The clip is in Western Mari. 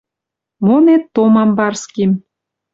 Монет томам барским